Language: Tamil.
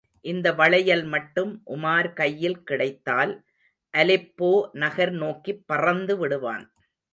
இந்த வளையல் மட்டும் உமார் கையில் கிடைத்தால், அலெப்போ நகர் நோக்கிப் பறந்து விடுவான்.